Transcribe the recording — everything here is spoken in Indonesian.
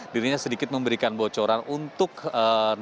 dirinya sedikit memberikan bocoran untuk mencari